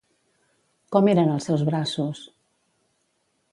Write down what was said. Com eren els seus braços?